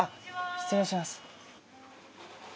失礼します。